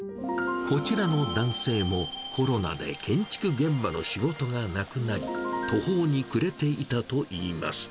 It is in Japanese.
こちらの男性もコロナで建築現場の仕事がなくなり、途方に暮れていたといいます。